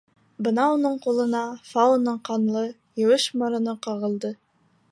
Бына уның ҡулына Фаоның ҡанлы, еүеш мороно ҡағылды.